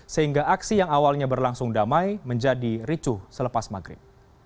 sehingga aksi yang awalnya berlangsung damai menjadi ricuh selepas maghrib